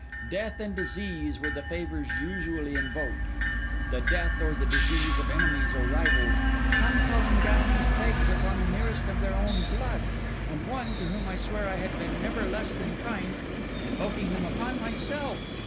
Death and disease were the favours usually invoked: the death or the disease of enemies or rivals; some calling down these plagues upon the nearest of their own blood, and one, to whom I swear I had been never less than kind, invoking them upon myself.